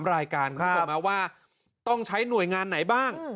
รายการคุณผู้ชมว่าต้องใช้หน่วยงานไหนบ้าง